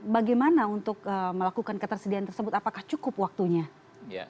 bagaimana untuk melakukan ketersediaan tersebut apakah cukup waktunya